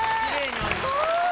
すごーい！